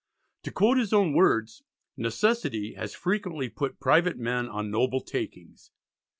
To quote his own words "necessity has frequently put private men on noble takings."